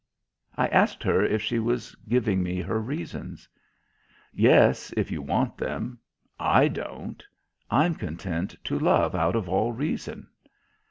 I asked her if she was giving me her reasons. "Yes, if you want them. I don't. I'm content to love out of all reason."